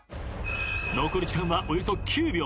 ［残り時間はおよそ９秒］